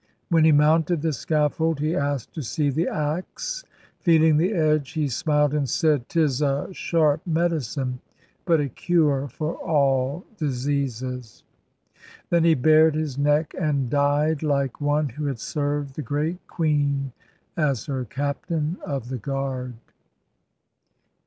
When he mounted the scaffold, he asked to see the axe. Feeling the edge, he smiled and said: *'Tis a sharp medicine, but a cure for all diseases.' Then he bared his neck and died like one who had served the Great Queen as her Captain of the Guard.